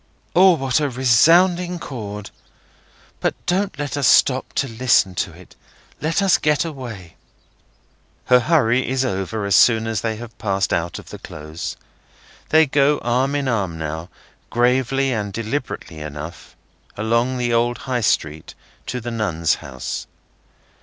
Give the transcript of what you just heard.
O, what a resounding chord! But don't let us stop to listen to it; let us get away!" Her hurry is over as soon as they have passed out of the Close. They go arm in arm now, gravely and deliberately enough, along the old High street, to the Nuns' House.